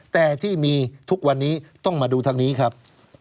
แต่ที่มีทุกวันนี้ต้องมาดูทางนี้ครับ